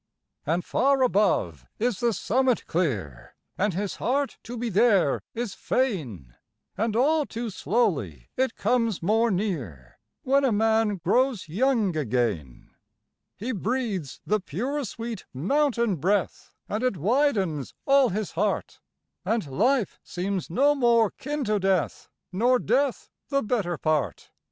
And far above is the summit clear, And his heart to be there is fain, And all too slowly it comes more near When a man grows young again. He breathes the pure sweet mountain breath, And it widens all his heart, And life seems no more kin to death, Nor death the better part.